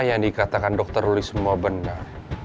yang dikatakan dokter ruli semua benar